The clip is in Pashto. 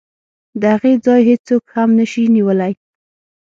د هغې ځای هېڅوک هم نشي نیولی.